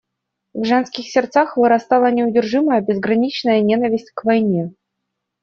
В женских сердцах вырастала неудержимая, безграничная ненависть к войне.